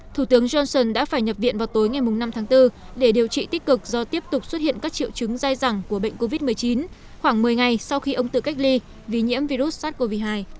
thủ tướng johnson đã phải nhập viện vào tối ngày năm tháng bốn để điều trị tích cực do tiếp tục xuất hiện các triệu chứng dai dẳng của bệnh covid một mươi chín khoảng một mươi ngày sau khi ông tự cách ly vì nhiễm virus sars cov hai